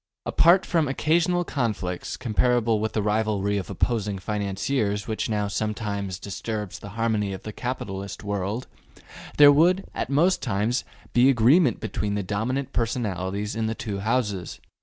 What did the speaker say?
Apart from occasional conflicts, comparable to the rivalry of opposing financiers which now sometimes disturbs the harmony of the capitalist world, there would, at most times, be agreement between the dominant personalities in the two Houses.